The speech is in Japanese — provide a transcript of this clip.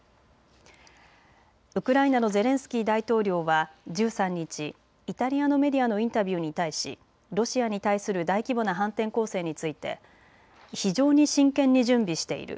ウクライナのゼレンスキー大統領は１３日、イタリアのメディアのインタビューに対しロシアに対する大規模な反転攻勢について非常に真剣に準備している。